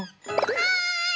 はい！